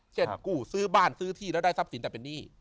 กู้ซื้อบ้านซื้อที่แล้วได้ทรัพย์สินแต่เป็นหนี้